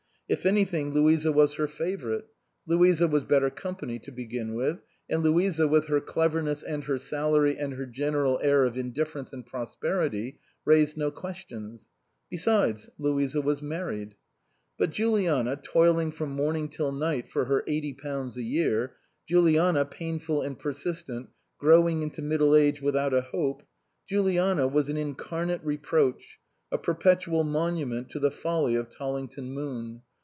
If anything Louisa was her 214 HOUSEHOLD GODS favourite. Louisa was better company, to begin with ; and Louisa, with her cleverness and her salary and her general air of indifference and prosperity, raised no questions. Besides, Louisa was married. But Juliana, toiling from morning till night for her eighty pounds a year ; Juliana, painful and persistent, growing into middle age without a hope, Juliana was an incarnate reproach, a perpetual monument to the folly of Tollington Moon.